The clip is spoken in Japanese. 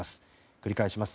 繰り返します。